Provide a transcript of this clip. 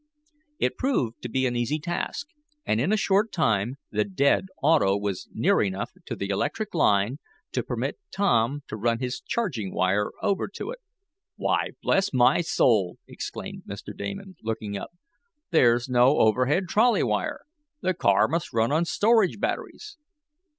It proved to be an easy task, and in a short time the "dead" auto was near enough to the electric line to permit Tom to run his charging wire over to it. "Why bless my soul!" exclaimed Mr. Damon, looking up. "There's no overhead trolley wire. The car must run on storage batteries."